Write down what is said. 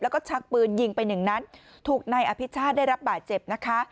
แล้วก็ชักปืนยิงไปหนึ่งนัดถูกนายอภิชาติได้รับบาดเจ็บนะคะ